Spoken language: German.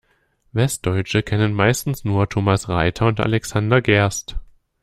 Westdeutsche kennen meistens nur Thomas Reiter und Alexander Gerst.